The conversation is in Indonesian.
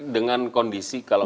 dengan kondisi kalau misalnya